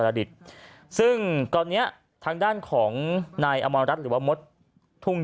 ดิษฐ์ซึ่งตอนนี้ทางด้านของนายอมรรัฐหรือว่ามดทุ่ง